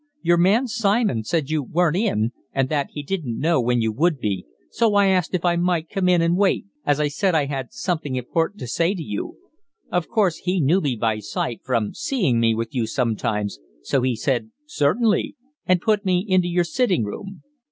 Your man, Simon, said you weren't in, and that he didn't know when you would be, so I asked if I might come in and wait, as I said I had something important to say to you. Of course he knew me by sight from seeing me with you sometimes, so he said 'Certainly,' and put me into your sitting room.